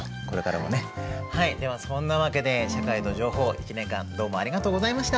ではそんなわけで「社会と情報」１年間どうもありがとうございました！